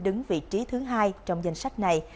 đứng vị trí thứ hai trong danh sách này